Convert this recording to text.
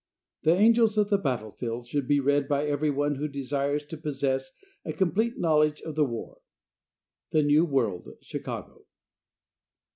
"The Angels of the Battlefield" should be read by everyone who desires to possess a complete knowledge of the war. The New World, Chicago.